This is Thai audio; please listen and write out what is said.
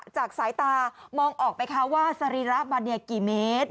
จากสายตามองออกไปคะว่าสริระเปล่านี้กี่เมตร